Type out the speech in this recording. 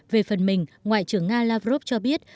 về phần mình ngoại trưởng nga lavrov cho biết